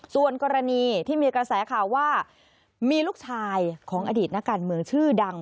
ส่วนกรณีที่มีกระแสข่าวว่ามีลูกชายของอดีตนักการเมืองชื่อดัง